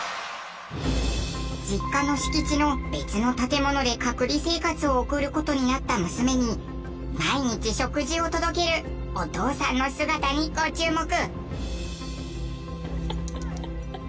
実家の敷地の別の建物で隔離生活を送る事になった娘に毎日食事を届けるお父さんの姿にご注目。